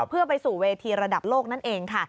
เพื่อไปสู่เวทีระดับโลกนั่นเองค่ะ